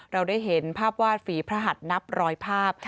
เราได้เห็นภาพวาดฝีพระหัดนับร้อยภาพ